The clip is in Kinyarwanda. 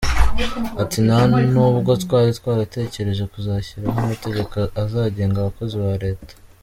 Ati nta n’ubwo twari twaratekereje kuzashyiraho amategeko azagenga abakozi ba leta.